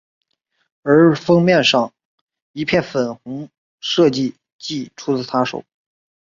而封面上一片粉红设计即出自她手。